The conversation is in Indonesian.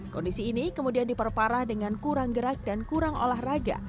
kondisi ini kemudian diperparah dengan kurang gerak dan kurang olahraga